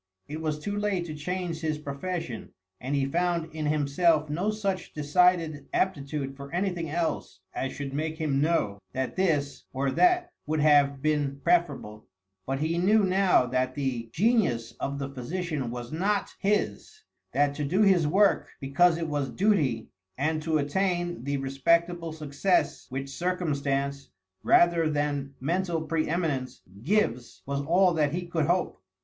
It was too late to change his profession, and he found in himself no such decided aptitude for anything else as should make him know that this or that would have been preferable; but he knew now that the genius of the physician was not his, that to do his work because it was duty, and to attain the respectable success which circumstance, rather than mental pre eminence, gives, was all that he could hope.